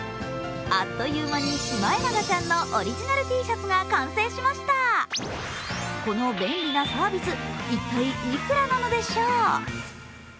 あっという間に、シマエナガちゃんのオリジナルＴシャツが完成しましたこの便利なサービス、一体、いくらなのでしょう？